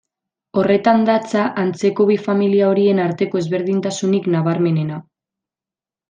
Horretan datza antzeko bi familia horien arteko ezberdintasunik nabarmenena.